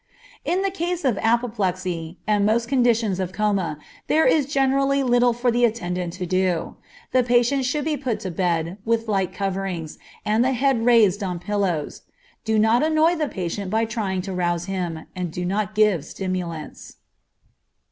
In the case of apoplexy, and most conditions of coma, there is generally little for the attendant to do. The patient should be put to bed, with light coverings, and the head raised on pillows. Do not annoy the patient by trying to rouse him, and do not give stimulants.